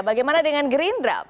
bagaimana dengan gerindra